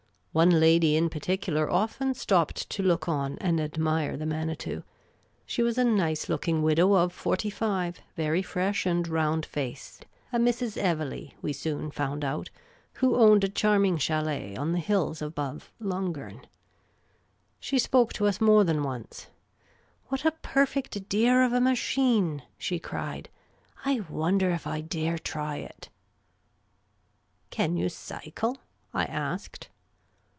One lady in particular often stopped to look on and admire the Manitou. She was a nice looking widow of forty five, very fresh and round faced ; a Mrs. Evelegh, we soon found out, who owned a charming chdld on the hills above Lungern. She spoke to us more than once :" What a perfect dear of a machine !" she cried. " I wonder if I dare try it !"Can you cycle ?" I asked.